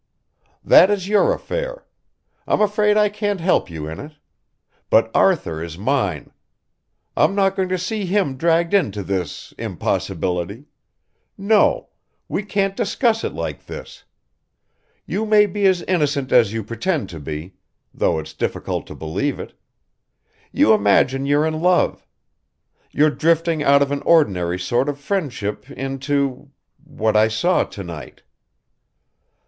"That is your affair. I'm afraid I can't help you in it. But Arthur is mine. I'm not going to see him dragged into this ... impossibility. No ... we can't discuss it like this. You may be as innocent as you pretend to be though it's difficult to believe it. You imagine you're in love. You're drifting out of an ordinary sort of friendship into ... what I saw to night.